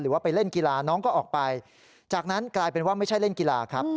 ว่าไปเล่นกีฬาน้องก็ออกไปจากนั้นกลายเป็นว่าไม่ใช่เล่นกีฬาครับ